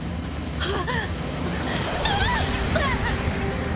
あっ。